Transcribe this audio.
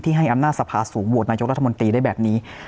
ให้อำนาจสภาสูงโหวตนายกรัฐมนตรีได้แบบนี้